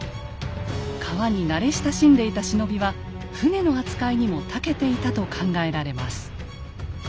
川に慣れ親しんでいた忍びは舟の扱いにもたけていたと考えられます。